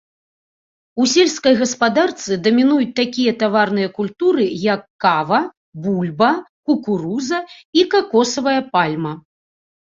У сельскай гаспадарцы дамінуюць такія таварныя культуры, як кава, бульба, кукуруза і какосавая пальма.